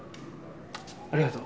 ありがとう。